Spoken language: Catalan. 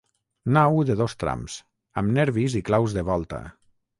Nau de dos trams, amb nervis i claus de volta.